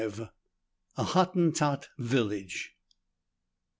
A HOTTENTOT VILLAGE.